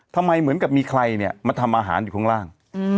เหมือนกับมีใครเนี่ยมาทำอาหารอยู่ข้างล่าง